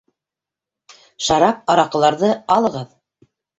Шарап, араҡыларҙы алығыҙ!